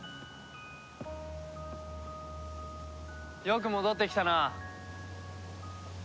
よく戻ってきたな。